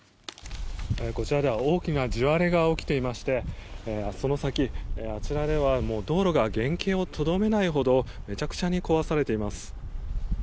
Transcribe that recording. こちらでは大きな地割れが起きていましてその先、あちらでは道路が原形をとどめないほどめちゃくちゃに壊されています。